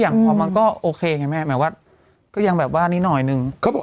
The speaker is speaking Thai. พอมันก็โอเคไงแม่หมายว่าก็ยังแบบว่านิดหน่อยนึงเขาบอก